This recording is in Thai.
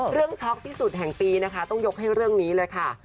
ช็อกที่สุดแห่งปีนะคะต้องยกให้เรื่องนี้เลยค่ะ